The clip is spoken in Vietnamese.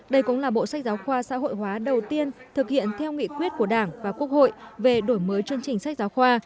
đây cũng là bộ sách giáo khoa xã hội hóa đầu tiên thực hiện theo nghị quyết của đảng và quốc hội về đổi mới chương trình sách giáo khoa